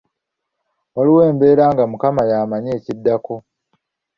Waliwo embeera nga mukama y’amanyi ekiddako.